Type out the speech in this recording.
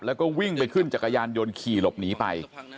แล้วก็วิ่งไปขึ้นจักรยานยนต์ขี่หลบหนีไป